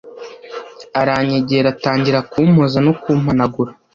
aranyegera atangira kumpoza no kumpanagura